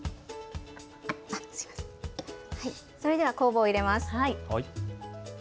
それでは酵母を入れます。